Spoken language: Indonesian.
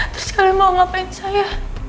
terus kalian mau ngapain saya